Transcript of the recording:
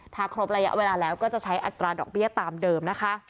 ถ้าครบระยะเวลาแล้วก็จะใช้อัตราดอกเบี้ยตามเดิมนะคะ